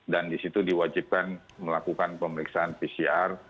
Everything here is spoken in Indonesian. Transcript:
dan di situ diwajibkan melakukan pemeriksaan pcr